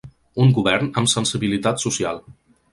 Un govern amb ‘sensibilitat social’